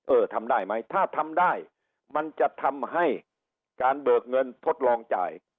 เออทำได้ไหมถ้าทำได้มันจะทำให้การเบิกเงินทดลองจ่าย